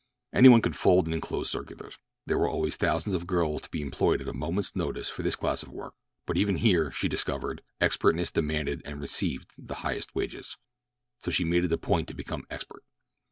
Any one could fold and enclose circulars. There were always thousands of young girls to be employed at a moments notice for this class of work; but even here, she discovered, expertness demanded and received the highest wages. So she made it a point to become expert.